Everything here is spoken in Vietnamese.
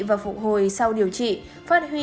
và phục hồi sau điều trị phát huy